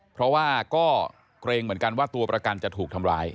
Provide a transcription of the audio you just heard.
เพราะว่าก็เกรงเหมือนกันว่าตัวประกันจะถูกทำร้าย